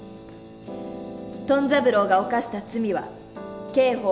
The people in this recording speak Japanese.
トン三郎が犯した罪は刑法